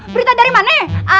berita dari mana